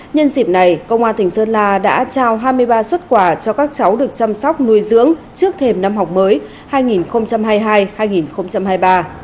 nhân dịp này công an tỉnh sơn la đã trao hai mươi ba xuất quà cho các cháu được chăm sóc nuôi dưỡng trước thềm năm học mới hai nghìn hai mươi hai hai nghìn hai mươi ba